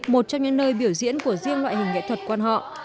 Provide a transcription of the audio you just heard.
một trong những nơi biểu diễn của riêng loại hình nghệ thuật quan họ